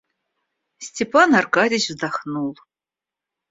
Степан Аркадьич вздохнул.